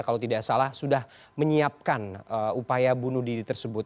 kalau tidak salah sudah menyiapkan upaya bunuh diri tersebut